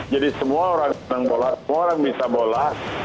jadi semua orang senang bola semua orang bisa bola